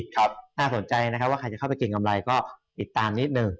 ถ้าสนใจนะครับว่าใครจะเข้าไปเกรงกำไรก็ติดตามนิดหนึ่ง